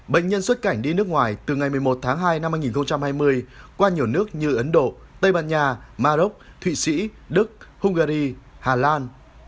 bệnh nhân xuất cảnh đi nước ngoài từ ngày một mươi một tháng hai năm hai nghìn hai mươi qua nhiều nước như ấn độ tây ban nha mà rốc thụy sĩ đức hungary hà lan